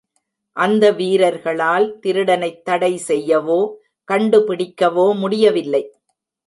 அந்த வீரர்களால் திருடனைத் தடை செய்யவோ, கண்டுபிடிக்கவோ முடியவில்லை.